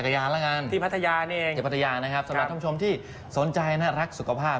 ครับที่พัทยานเองสำหรับท่องชมที่สนใจนะรักสุขภาพ